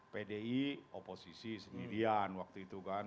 pdi oposisi sendirian waktu itu kan